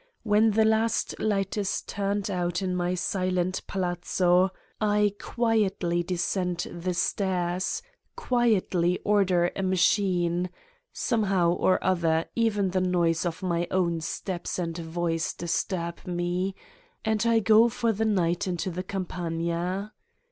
When the last light is turned out in my silent palazzo, I quietly descend the stairs, quietly order a ma chine somehow or other even the noise of my own steps and voice disturb me, and I go for the night into the Campagna.